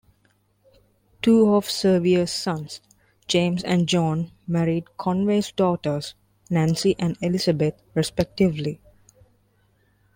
Two of Sevier's sons, James and John, married Conway's daughters, Nancy and Elizabeth, respectively.